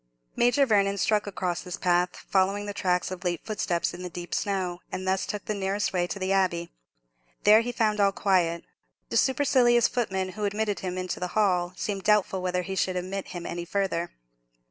Major Vernon struck across this path, following the tracks of late footsteps in the deep snow, and thus took the nearest way to the Abbey. There he found all very quiet. The supercilious footman who admitted him to the hall seemed doubtful whether he should admit him any farther.